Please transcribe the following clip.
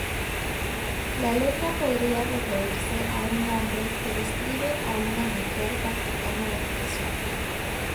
La letra podría referirse a un hombre que describe a una mujer practicando meditación.